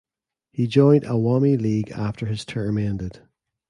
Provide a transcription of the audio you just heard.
He joined Awami League after his term ended.